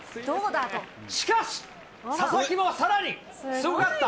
しかし、佐々木もさらにすごかった。